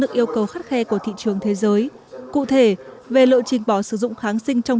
được yêu cầu khắt khe của thị trường thế giới cụ thể về lộ trình bỏ sử dụng kháng sinh trong